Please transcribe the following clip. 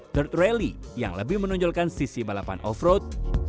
third rally yang lebih menonjolkan sisi balapan off road